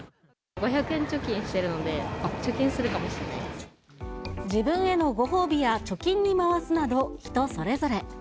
５００円貯金してるので、自分へのご褒美や貯金に回すなど、人それぞれ。